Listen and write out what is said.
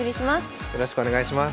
よろしくお願いします。